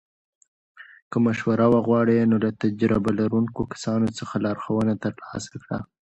که مشوره وغواړې، نو له تجربه لرونکو کسانو څخه لارښوونه ترلاسه کړه.